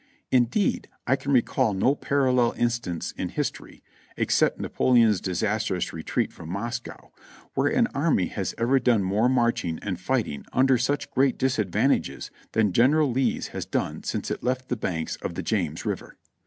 Indeed I can recall no parallel instance in history, except Na poleon's disastrous retreat from Moscow, where an army has ever done more marching and fighting under such great disad vantages than General Lee's has done since it left the banks of the James River.